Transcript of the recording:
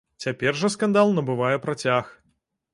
Цяпер жа скандал набывае працяг.